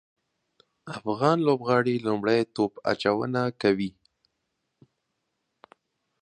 افغان لوبغاړي لومړی توپ اچونه کوي